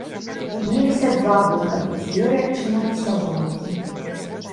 Меліся два выхады, дзверы адчыняліся вонкі.